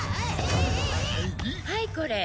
はいこれ。